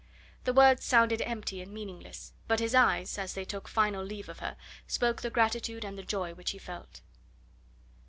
The words sounded empty and meaningless, but his eyes, as they took final leave of her, spoke the gratitude and the joy which he felt.